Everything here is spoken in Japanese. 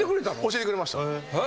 教えてくれました。